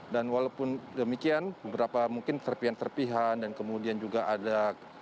dan walaupun demikian beberapa mungkin serpian serpian dan kemudian juga ada